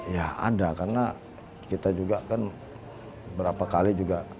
ya ada karena kita juga kan berapa kali juga